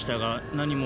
何も。